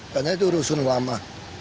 karena itu rusun lama